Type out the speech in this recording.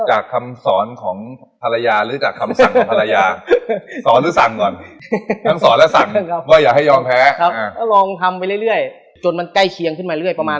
จากคำสอนของภรรยาหรือจากคำสั่งของภรรยา